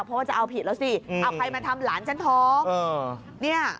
เพราะว่าจะเอาผิดแล้วสิเอาใครมาทำหลานฉันท้องเนี่ย